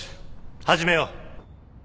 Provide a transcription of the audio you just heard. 始めよう。